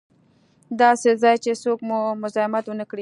داسې ځای چې څوک مو مزاحمت و نه کړي.